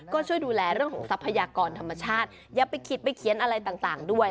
ก็ช่วยดูแลเรื่องของทรัพยากรธรรมชาติอย่าไปขิดไปเขียนอะไรต่างด้วย